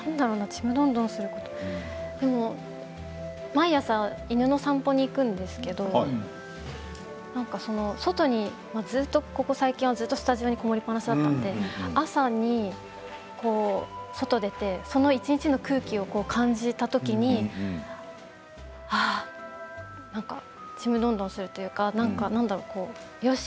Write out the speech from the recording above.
ちむどんどんすることでも毎朝犬の散歩に行くんですけれど外にずっと、ここ最近はずっとスタジオに籠もりっぱなしだったので朝に外に出てその一日の空気を感じた時にああ、ちむどんどんするというかなんだろう、よし！